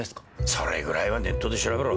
それぐらいはネットで調べろ。